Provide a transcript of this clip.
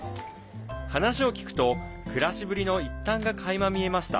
話を聞くと暮らしぶりの一端がかいま見えました。